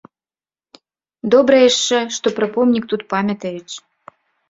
Добра яшчэ, што пра помнік тут памятаюць.